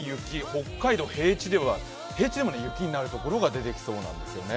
北海道は平地でも雪になるところが出てきそうなんですね。